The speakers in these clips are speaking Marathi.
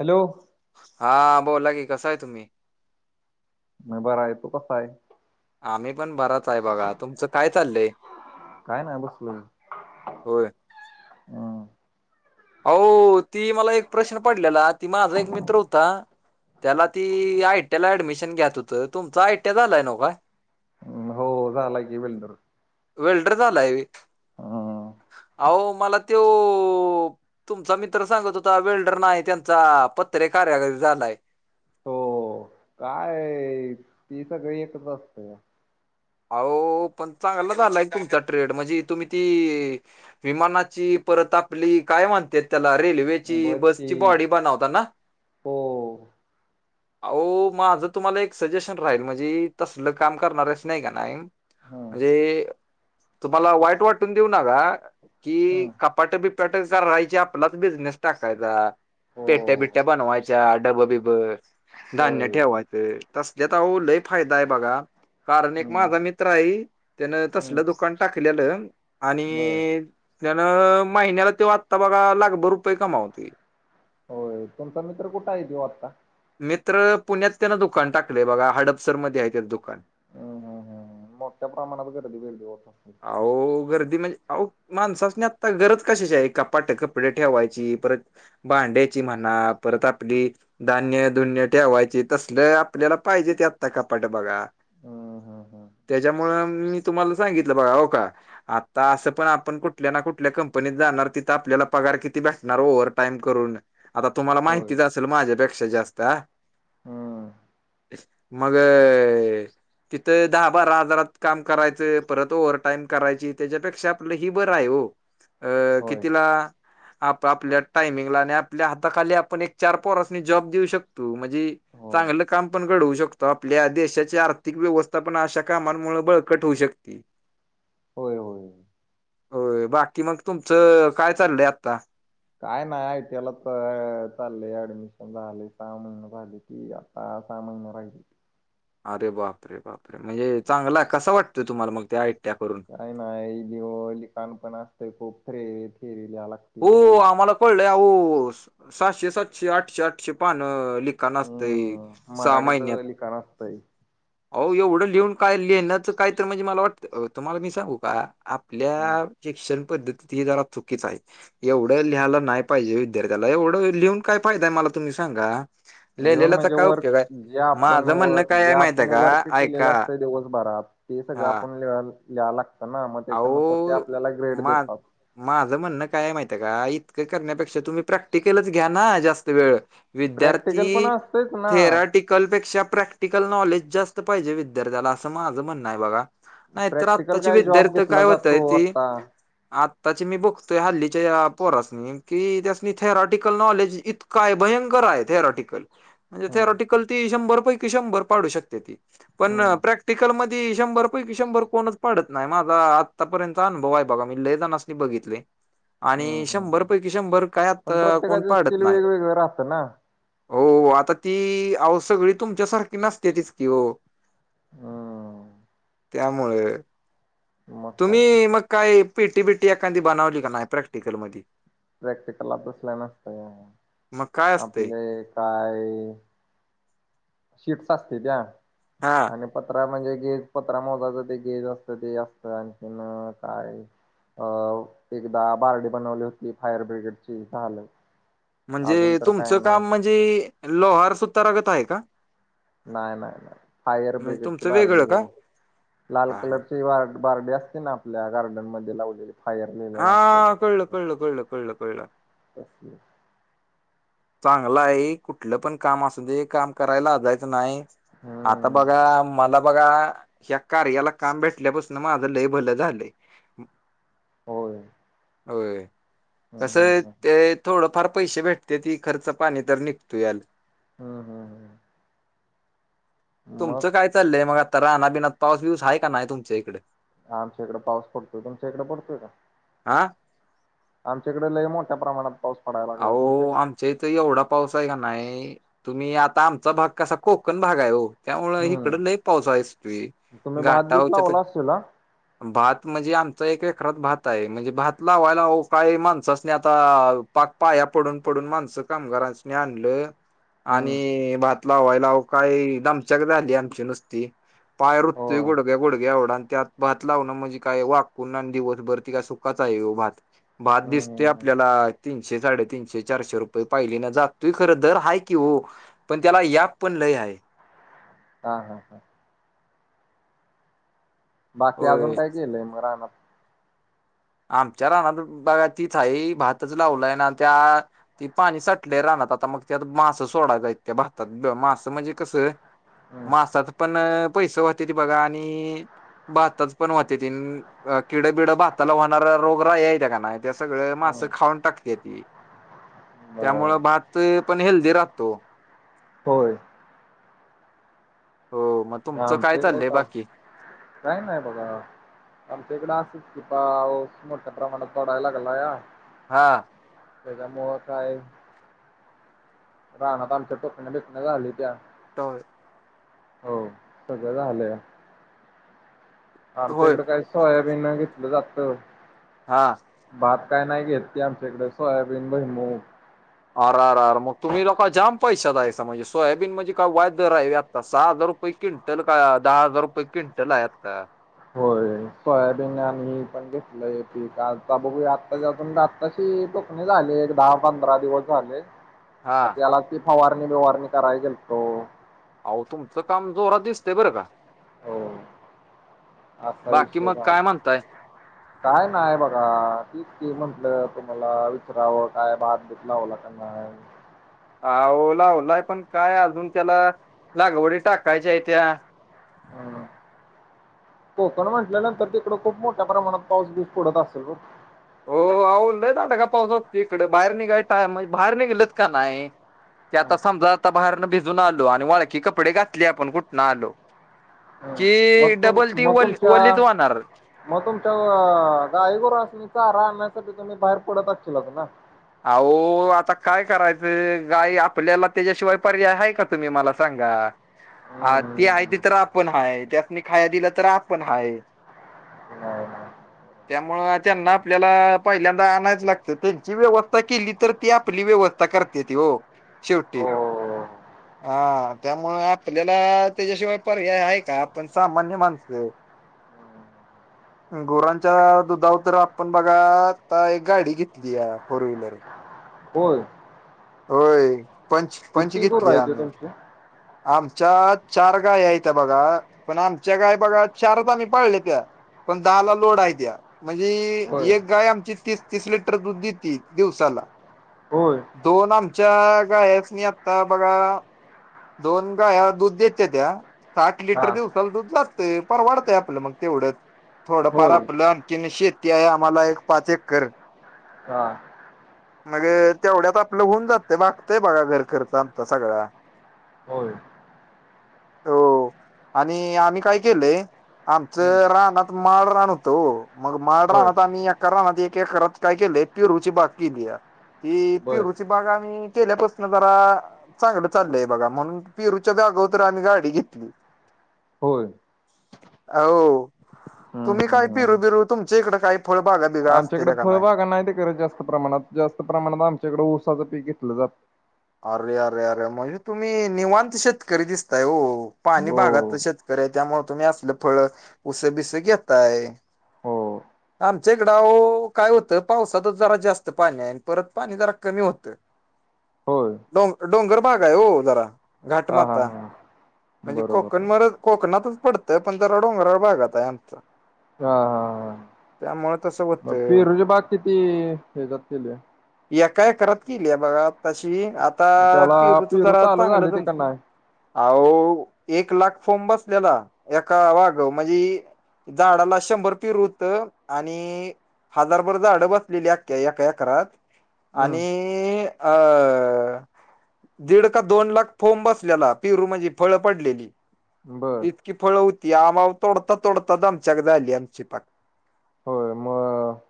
हॅलो. हा बोला की कसं आहे तुम्ही. मग बरं आहे तो कसा आहे. आम्ही पण बराच आहे बघा तुमचं काय चाललंय. काय नाही बसलोय होय. हम्म हो ती मला एक प्रश्न पडलेला ती माझा एक मित्र होता त्याला ती आय टी ला ऍडमिशन घ्यात होतं तुमचा आय टी झालंय ना व्हय. हो झाला की वेलडर वेल्डर झालाय व्हय हम्म आहो मला त्यो तुमचा मित्र सांगत होता वेल्डर नाही त्यांचा पत्रे कार्या झालाय. हो काय ती सगळी एकच असतया. अहो पण चांगला झालाय तुमचा ट्रेड म्हणजे तुम्ही ती विमानाची परत आपली काय म्हणत्यात त्याला रेल्वेची बची बसची बॉडी बनवताना. हो अह मा माझं तुम्हाला एक सजेशन राहील म्हणजे तसलं काम करणार अस का नाही हम्म म्हणे तुम्हाला वाईट वाटून देऊ नका कि हम्म कपाट बिपाट कराहायची आपलाच बिझनेस टाकायचा. हो पेट्या बिटट्या बनवायच्या डब बिब धान्य होय ठेवाय ते तसल्यात आहो लय फायदा काय बघा. कारण एक हम्म माझा मित्र आहे त्यानं हम्म तसलं दुकान टाकलेलं आणि बर त्यानं महिन्याला ते आत्ता बघा लागभर रुपये कमावतोय. होय तुमचा मित्र कुठे आहे तो आत्ता मित्र पुण्यात त्यांना दुकान टाकलंय बघा हडपसरमध्ये आहे त्या दुकान हम्म हम्म हम्म हम्म मोठ्या प्रमाणात गर्दी बेलदी त अस आहो गर्दी म्हणजे आहो माणसासनी आता गरज कशाची आहे कपाट कपडे ठेवायची परत भांड्याची म्हणा परत आपली धान्य धुन्य ठेवायची तसल आपल्याला पाहिजे ते आत्ता कपाटं बघा. हम्म हम्म हम्म त्याच्यामुळं मी तुम्हाला सांगितलं बगा होका आत्ता असं पण आपण कुठल्या ना कुठल्या कंपनीत जाणार तिथं आपल्याला पगार किती भेटणार ओवर टाईम करून आता तुम्हाला होय माहितीच असेल माझ्यापेक्षा जास्त अं हं मगअं तिथं दहा बारा हजारात काम करायचं परत ओवर टाईम करायची त्याच्यापेक्षा आपलं ही बरं आहे हो अ होय कितीला आप आपल्या टायमिंगला आणि आपल्या हाताखाली आपण एक चार पोरास्नी जॉब देऊ शकतो म्हणजे होय चांगलं काम पण घडवू शकतो आपल्या देशाची आर्थिक व्यवस्था पण अशा कामांमुळे बळकट होऊ शक ते होय होय होय बाकी मग तुमचं काय चाललंय आता काय नाही आयटीएला तर चालले ऍडमिशन झाले सम झाली क अ सामान राहिली अरे बापरे बापरे म्हणजे चांगला कस वाटत तुम्हाला मग त्या आयटआय करून काय नाही लिवाल काम्पण असतंय खूप फिरी फिरीलाला हो आम्हाला कळलंय होओ सातशे सातशे आठशे आठशे पान ली का नसतय हम्म सहा मराठीत महिन्यात लिखाण असतंय आहो एवढं लिहून काय लिहिण्याचं काय त म्हणजे मला वाटतं अं तुम्हाला मी सांगू का आपल्या हं शिक्षण पधतती जरा चुकीच आहे एवढं लिहालं नाय पाहिजे विद्यार्थ्याला एवढं लिहून काय फायदाय मला तुम्ही सांगा लिहून लिहिलेलाचा म्हणजे काय वर्क उपयोग आहे ज्या आपण माझं म्हणणं काय आहे माहित आहे ज्यापण का वरती ऐका केलेलं असतं दिवसभरात ते सगळं हा आपण लि लिहा लागतं ना मग त्याच्यानुसार ते अहो आपल्याला ग्रेड मा देतात माझं म्हणणं काय मायती हे का इतकं करण्यापेक्षा तुम्ही प्रॅक्टिकलच घ्या ना जास्त वेळ प्रॅक्टिकल पण विद्यार्थी असतेच ना. थेराटिक कल पेक्षा प्रॅक्टिकल नॉलेज जास्त पाहिजे विद्यार्थ्याला असं माझं म्हणणं हाय बगा नाय तर प्रॅक्टिकल आत्ताचे काय जॉब विद्यार्थी घेतला काय जातो होतय ती आता आत्ताची मी बकतोय हल्लीच्या या पोरासनी की त्यासनी थेराटिकल नॉल काय भयंकर हाय थेरॉटिकल जे हम्म थेरटिकल ती शंभर पैकी शंभर पाडू शकते ती पण हम्म. प्रॅक टिकल मध्ये शंभर पैकी शंभर कोणच पाडत नाही माक ला आत्तापर्यंत अनभव हाय बघा मी लई जणासनी बघितलय हम्म आणि हम्म शंभर हम्म पैकी शंभर कहयात पण कोण प्रत्येकाचे पाडत स्किल नाही वेगवेगळं राहतं ना. हो आता ती आहो सगळी तुमच्यासारखी नसत्या तीच की हो हं त्यामुळे मग तुम्ही काय तर मग काय पिटी बिटी एखादी बनवली का नाय प्रॅक्टिकल मदी प्रॅक्टिकलला बसलया नसते मग काय असतंय आपले काय शीफ्ट असते त्या हां आणि पत्रा म्हणजे गेज पत्रा मोजाचं ते गेज असतं ते असतं आणखीन काय अ एकदा बारडी बनवली होती फायर ब्रिगेडची झालं म्हणजे अजून तर काय तुमचं नाही काम म्हणजी लोहार सुतारागत हाय का नाय नाय नाय फायर म्हणजे ब्रिगेडची तुमचं वेगळं बारडी ओ का? लाल हा हा कलरची बार बार्डी असती ना आपल्या गार्डन मधे लावलेली फायर लिलेलं असतं हा [inaudible] कळलं कळलं कळलं कळलं कळलं. चांगलां हे कुठलं पण काम असू दे काम करायला लाजाय स नाय आता हम्म बघा माला बघा ह्या कार्याला काम भेटल्यापासून माझं लय भलं झालं हो हो कस हम्म हम्म ते थोडं फार पैसे भेटते ती खर्च पाणी तर निघतो याला हम हम हम तुमचं काय चाललंय मग आता राहना बिना पाऊस व्ह्यूज आहे का नाही तुमच्या इकडे आमच्या इकडे पाऊस पडतोय तुमच्या इकड पडतोय का हा आमच्याकडे ल मोठ्या प्रमाणात पाऊस पडायला आ लागला तुमच्या इकडे आम आच्या इथ एवढा पाऊस आहे का नाही तुम्ही आता आमचा भाग कसा कोकण भाग आहे हो त्यामु इकड लई हम्म पावसा आहेच तु तुम्ही भात बीत घाटाच्या प लावला असशील हा भात म्हणजे आमचा एक एकरात भात आहे म्हणजे भात लावायला ओ काही माणसासनी आता पाक पाया पडून पडून माणसं कामगारास्नी आणलं हम्म आणि भात लावायला ओ काही दमचाक झाली आमची नुसती पाय रुत्तोय होय गुडग्या गुडग्या एवडा अन त्यात भात लावन म्हणजे काय वाकून अन दिवत भरती काय सो कतय ह्यो भात भात हम्म हम्म दिसते हम्म आपल्याला तीन शे साडे तीनशे चारशे रुपये पायली न जातय खर तर हाय कि ओ पण त्याला याप पण लय हाय हा हा हा बाकी अजून होय. काय केलंय मग राहना आमच्या राहणार बघा तिथई भातच लावलाय ना त्या ती पाणी साटले राहना आता मग ते मास सोडायचयत त्या भातात मासं म्हणजे कसं हम्म मासात पण पैस वाते त बघा आणि बहातच पण वाहते ती किड बिड बहात त्याला होणारा रोग रा य त्या का नाही त्या सगळ मास हम्म खाऊन टाकते ती बर त्यामुळं भात पण हेल्दी राहतो होय हो मग तुमचं राम काय तेक आहे चाललंय त बाकी काय ना बघा आमचेकडच मोठा प्र म्ह तडा हलागला हा ैजा मह काय राहना पाणच्या टोकण्या बकण्या झााली त्या तर हो सगळ झालंय आमच्या होय इकडे काय सोयाबीन घेतलं जात हा भात काय नाही घेत त आमच्या इकडे सो आय बीन बा मूव अररर मग तुम्ही लोका जाम पैशसा दायं म्हणजे सोयाबीन म्हणजे काय वाद्य राही सहा हजार रुपये क्विंटल का दहा हजार रुपये क्विंटल आहेत का होय सोयाबीन आणिही पण घेतलंय पी आज बघ आत्ताच्या अजून तशी तोखणे झाले एक दहा पंधरा दिवस झाले हा मग त्याला ती फवारणी बिवारणी करायची तो अह तुमचं काम जोरात दिसते बरं का हो आपताविष बाकी मग काय म्हणताय काय नाही बघा क म्हंटलं तुम्हाला विचारावं काय बा कतला वाला करना आहे आ ओला ओलाय पण काय अजून त्याला लागवडी टाकायच्या आहे त्या्या हम् कोकण म्हटल्यानंतर तिकडं खूप मोठ्या प्रमाणात पाऊस दिस पडत असेल ब हो आवल आट का पाऊस इकडे बाहेर निघाय टायम म्हणजे बाहेर निघेलेत का नाही ते ओ. आता समजा आता बाहेरन भिजून आलो आणि वाळकी कपडे घातले आपण कुठनं आलो हम्म. कि मग तुम डबल ती मग तुमच्या वलीत वाणार. मग तुमच्या गायगुरू अस म च राहाण्यासाठी तुम्ही बाहेर पुडतच ल ना. अह आता काय करायचं गाई आपल्याला त्याच्याशिवाय पर्याय आहेऐ का. तुम्ही मला सांगा. हा ती हम्म आहे ती तर आपण हाय त्यातनी खाय दिला तर आपण हाय. नाही ना. त्यामु त्यांना आपल्याला पहिल्यांदा आणायचं लागतं त्यांची व्यवस्था. केली तर ती आपली व्यवस्था करते ती हो शेवटी हो. हो, हो. हा त्यामुळे आपल्याला त्याच्याशिवाय पर्याय आहे का आपण सामान्य माणसं [inaudible] गोरांच्या दुधावर तरर आपण बघा आता एक गाडी घेतली आहे. फर् व्हहीलर होल. होय पंच पंच किती गुरं घेतली आहेत ओ आम्ही तुमची? आमच्या चार गाय आहेत त्या बघा पण आमच्या गाय बघा चार तर आम्ही पाळले त्या पण दहाला लोड आहे द्या. म्हणजे होय एक गाय आमची तीस तीस लिटर दूध देत दिवसाला. होय दोन आमच्या गायस नाही आत्ता बघा. दोन ग दूध देत त्या साठ लिटर हां दिवसाला दूध जात. फार वाढतंय आपलं मग तेवढं. थोडंफार होय आपलं आणखीन शेती आहे आम्हाला एक पाच एक कर हा. मग तेवढ्यात आपलं होऊन जातंय वागतंय बघा घर खर्च आमचा सगळा हो. हो आणि आम्ही काय केलंय. हं. आमचं राहणत माड राहन होतो मग माड बर राहनात आम्ही एका राहनात एक करात काय केले. त रुचीि बाकी द. ती बर पिरूची बाग आम्ही केल्यापासून जरा चांगलं चाललंय. बघा म्हणून पिरूच्या जागा तर आम्ही गाडी घेतली. होय. हो हं तुम्ही हं काय हं. पिरू हं. बिरू तुमच्या इकडें काय फळबागा बिगा आमच्याकडे असतेत्या का फळबागा नाही ते करत जास्त प्रमाणात जास्त प्रमाणात आमच्याकडें ऊसाचं पीक घेतलं जातं. अरे अरे अरे म्हणजे तुम्ही निवांत शेतकरी दिसताय हो पाणी भागात हो तर शेतकरी करय त्यामुळे तुम्ही असलं फळ उसे बिसे घेतय. हो आमच्या इकडा काय होतं पावसातच जरा जास्त पाणी आहे आणि परत पाणी जरा कमी होतं. होय डोंग डोंगर भाग आहे हो जरा हां हां घाटमाता हां म्हणजे बरोबर. कोकण म कोकणातच पडतय पण त्या डोंगराळ भागात आहे आमच हा हा. त्यामुळे तसं. मग होतं. फिरुजबाग किती हे जात के एका एकरात त केली बघा तशी आ. आता त्याला पिरूच पेरू जरा चालू झाले चांगलं ते का तर. नाय अा एक लाख फोम बसलेला एका वाग म्हणजे. झाडाला शंभर पिरू होत आणि हजारभर जाड बसलेली अख्या एकरात आणि हम्म अ दीड का दोन लाख फोंब बसलेला पिरू म्हणजे फळं पडलेली. बरं. की फळ होती आमाव तोडत तोडत आमच्याक आली आमची पाक. होय मग.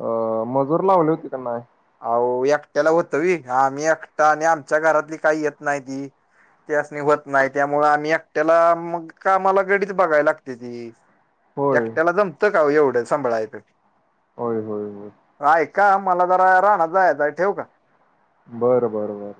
अ मजूर लावली होती त्यांना अह एकट्याला होतं विी आम्ही एकटा आणि आमच्या घरातली काही येत नाही ती ते असणी होत नाही त्यामुळे आम्ही एकट्याला मग कामाला गडीच बघायला लागते ती होय एकट्याला जमतं का एवढं सांभळाऐप होय होय होय ऐ का मला जरा राहणारचा आहेच ठेव का बरं बरं बर